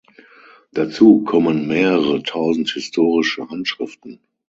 Dazu kommen mehrere Tausend historische Handschriften.